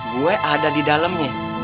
gue ada di dalemnya